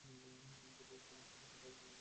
যদিও সে আমার ছেলের হার্টের অসুখ সম্পর্কে জানত।